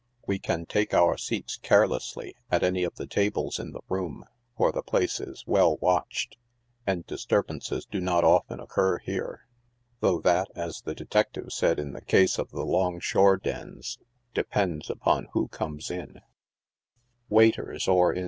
We can take our seats, carelessly, at any of the tables in the room, for the place is well watched, and disturbances do not often occur here ; though that, as the detective said in the case of the dong shore dens, " depends upon who comes in," Waiters, or, in THE DANCE HOUSES.